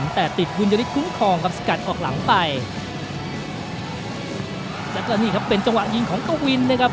แต่ติดบุญยฤทธคุ้มครองครับสกัดออกหลังไปแล้วก็นี่ครับเป็นจังหวะยิงของกวินนะครับ